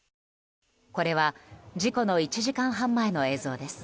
これは事故の１時間半前の映像です。